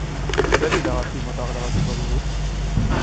Zer iragarki mota grabatuko dugu?